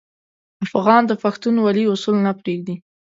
افغان د پښتونولي اصول نه پرېږدي.